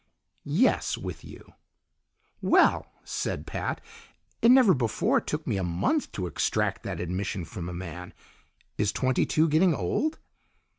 "Yes, with you!" "Well!" said Pat. "It never before took me a month to extract that admission from a man. Is twenty two getting old?"